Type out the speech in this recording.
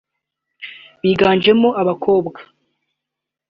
biganjemo abakobwa